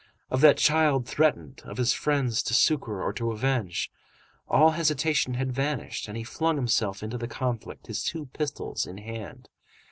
of that child threatened, of his friends to succor or to avenge, all hesitation had vanished, and he had flung himself into the conflict, his two pistols in hand.